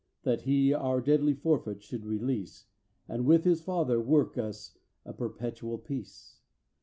That he our deadly forfeit should release. And with his Father work us a perpetual peace.